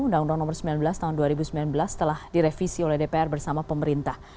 undang undang nomor sembilan belas tahun dua ribu sembilan belas telah direvisi oleh dpr bersama pemerintah